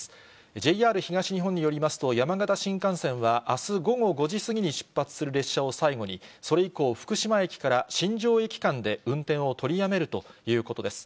ＪＲ東日本によりますと、山形新幹線はあす午後５時過ぎに出発する列車を最後に、それ以降、福島駅から新庄駅間で運転を取りやめるということです。